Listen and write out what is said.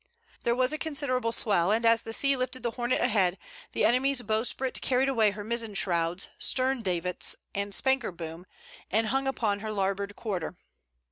There was a considerable swell, and as the sea lifted the Hornet ahead, the enemy's bowsprit carried away her mizen shrouds, stern davits, and spanker boom, and hung upon her larboard quarter.